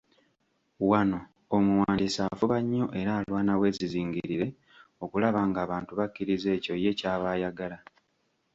Wano omuwandiisi afuba nnyo era alwana bwezizingirire okulaba ng’abantu bakkiriza ekyo ye ky’aba ayagala.